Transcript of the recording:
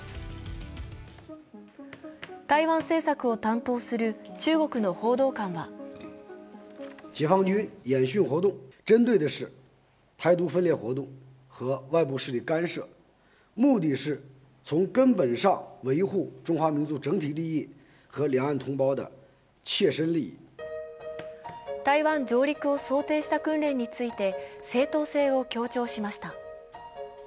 台湾政策を担当する中国の報道官は台湾上陸を想定した訓練について、正当性を強調しました。